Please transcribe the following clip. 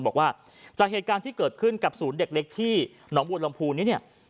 บอกว่าจากเหตุการณ์ที่เกิดขึ้นกับศูนย์เด็กเล็กที่หนองบัวลำพูนี้เนี่ย